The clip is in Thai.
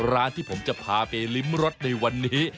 ร้านที่ผมจะพาไปลิ้มรสในวันนี้